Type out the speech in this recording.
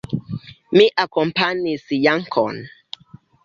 Mi akompanis Jankon.